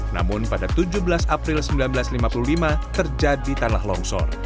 namun pada tujuh belas april seribu sembilan ratus lima puluh lima terjadi tanah longsor